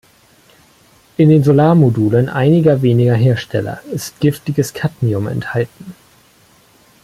In den Solarmodulen einiger weniger Hersteller ist giftiges Kadmium enthalten.